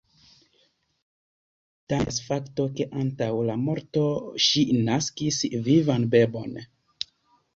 Tamen estas fakto, ke antaŭ la morto ŝi naskis vivan bebon.